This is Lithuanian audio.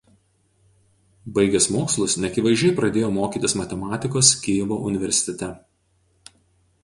Baigęs mokslus neakivaizdžiai pradėjo mokytis matematikos Kijevo universitete.